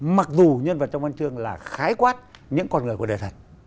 mặc dù nhân vật trong văn chương là khái quát những con người của đề thật